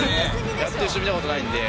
やってる人見たことないんで。